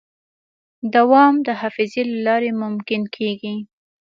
دوام د حافظې له لارې ممکن کېږي.